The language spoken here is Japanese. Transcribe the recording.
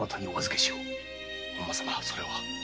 本間様それは。